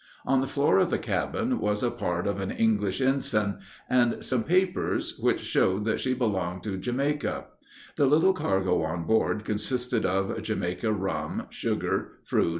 On the floor of the cabin was a part of an English ensign, and some papers, which showed that she belonged to Jamaica, The little cargo on board consisted of Jamaica rum, sugar, fruit, &c.